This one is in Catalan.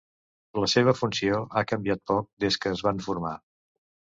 La seva funció ha canviat poc des que es van formar.